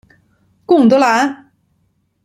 贡德兰。